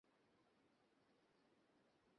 কীভাবে জানলে আমার পরিপাকতন্ত্র তোমাদের মতোই কাজ করে?